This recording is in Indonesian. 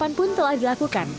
hal ini pun telah dilakukan